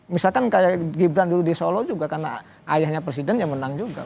misalkan kayak gibran dulu di solo juga karena ayahnya presiden ya menang juga